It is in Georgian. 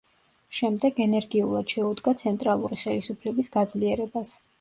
შემდეგ ენერგიულად შეუდგა ცენტრალური ხელისუფლების გაძლიერებას.